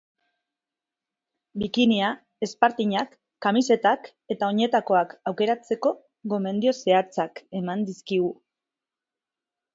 Bikinia, espartinak, kamisetak eta oinetakoak aukeratzeko gomendio zehatzak eman dizkigu.